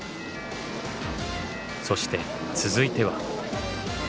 そして続いては。